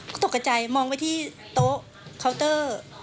ก็ตกใจมองไปที่โต๊ะคาวเตอร์